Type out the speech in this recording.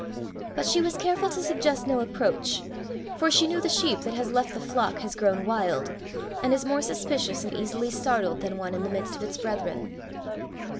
But she was careful to suggest no approach, for she knew the sheep that has left the flock has grown wild, and is more suspicious and easily startled than one in the midst of its brethren.